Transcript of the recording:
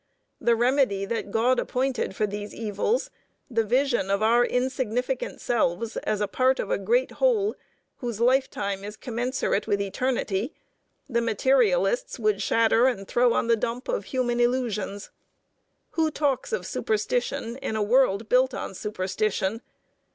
The remedy that God appointed for these evils, the vision of our insignificant selves as a part of a great whole, whose lifetime is commensurate with eternity, the materialists would shatter and throw on the dump of human illusions. Who talks of superstition in a world built on superstition?